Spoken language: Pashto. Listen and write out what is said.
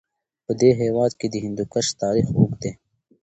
په هېواد کې د هندوکش تاریخ اوږد دی.